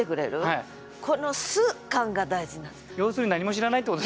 要するに何も知らないってこと。